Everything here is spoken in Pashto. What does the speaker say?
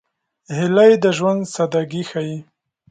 هیلۍ د ژوند سادګي ښيي